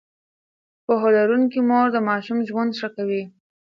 پوهه لرونکې مور د ماشوم ژوند ښه کوي.